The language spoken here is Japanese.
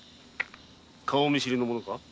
顔見知りの者か？